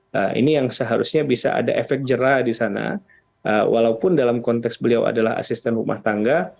nah ini yang seharusnya bisa ada efek jerah di sana walaupun dalam konteks beliau adalah asisten rumah tangga